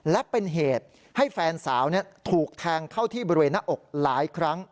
และเป็นเหตุให้แฟนสาวถูกแทงเข้าที่บริเวณหน้าอกหลายครั้ง